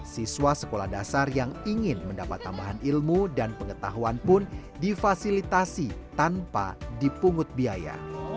siswa sekolah dasar yang ingin mendapat tambahan ilmu dan pengetahuan pun difasilitasi tanpa dipungut biaya